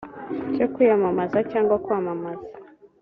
cyo kwiyamamaza cyangwa kwamamaza